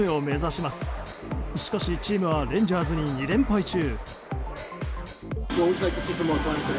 しかしチームはレンジャーズに２連敗中。